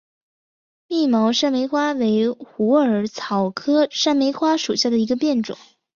密毛山梅花为虎耳草科山梅花属下的一个变种。